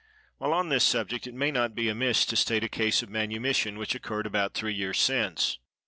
While on this subject it may not be amiss to state a case of manumission which occurred about three years since.